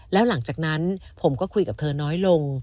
แล้วหลังจากนั้นผมก็คุยกับเธอน้อยลง